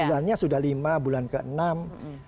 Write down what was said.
bulannya sudah lima bulan ke enam